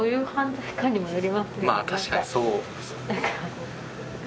まあ確かにそうです。